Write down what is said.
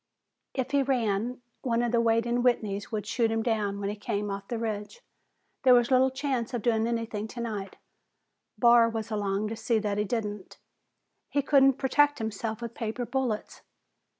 If he ran, one of the waiting Whitneys would shoot him down when he came off the ridge. There was little chance of doing anything tonight; Barr was along to see that he didn't. He couldn't protect himself with paper bullets.